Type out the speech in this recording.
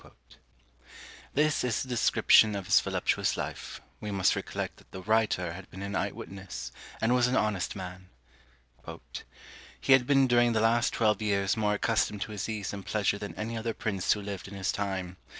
This is the description of his voluptuous life; we must recollect that the writer had been an eye witness, and was an honest man. "He had been during the last twelve years more accustomed to his ease and pleasure than any other prince who lived in his time.